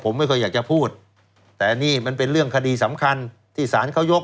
ผมไม่เคยอยากจะพูดแต่นี่มันเป็นเรื่องคดีสำคัญที่ศาลเขายก